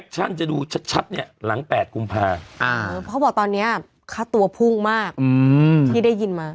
ก็บอกตอนนี้ค่าตัวภูมิมากนี่ได้ยินมา